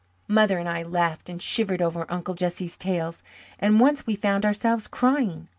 Mother and I laughed and shivered over Uncle Jesse's tales, and once we found ourselves crying.